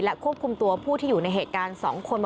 ควบคุมตัวผู้ที่อยู่ในเหตุการณ์๒คน